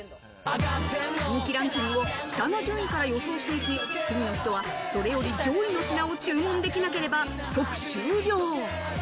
人気ランキングを下の順位から予想して行き次の人はそれより上位の品を注文できなければ即終了。